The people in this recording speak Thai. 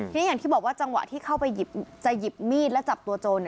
ทีนี้อย่างที่บอกว่าจังหวะที่เข้าไปจะหยิบมีดและจับตัวโจร